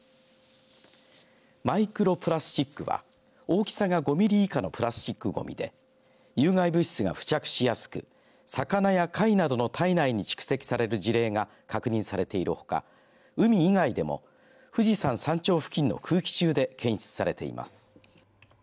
マイクロプラスチックは大きさが５ミリ以下のプラスチックごみで有害物質が付着しやすく魚や貝などの体内に蓄積される事例が確認されているほか海以外でも富士山山頂付近の空気中で検出されています。